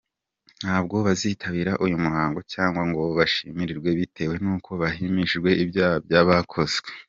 Ntabwo bazitabira uyu muhango cyangwa ngo bashimirwe bitewe nuko bahamijwe ibyaha bya bakoze.